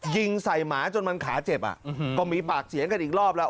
ยิงใส่หมาจนมันขาเจ็บอ่ะก็มีปากเสียงกันอีกรอบแล้ว